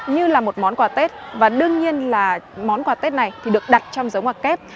như là một món quà tết và đương nhiên là món quà tết này thì được đặt trong giống quà kép